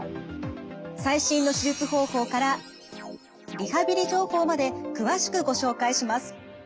最新の手術方法からリハビリ情報まで詳しくご紹介します。